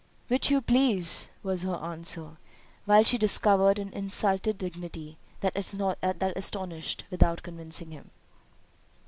"Which you please," was her answer, while she discovered an insulted dignity, that astonished, without convincing him.